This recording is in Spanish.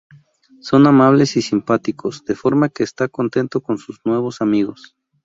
Son amables y simpáticos, de forma que está contento con sus nuevos amigos.